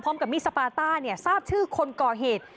พร้อมกับมิสปาต้าทราบชื่อคนก่อเหตุ